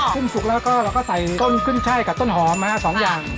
ขึ้นสุกแล้วก็ใส่ต้นขึ้นไช่กับต้นหอมนะฮะ๒อย่าง